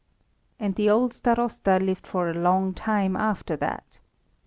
And the old Starosta lived for a long time after that.